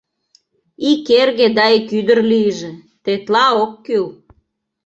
— Ик эрге да ик ӱдыр лийже, тетла ок кӱл!